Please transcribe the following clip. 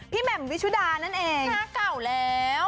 แหม่มวิชุดานั่นเองหน้าเก่าแล้ว